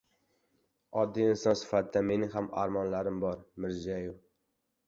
Oddiy inson sifatida mening ham armonlarim bor — Mirziyoyev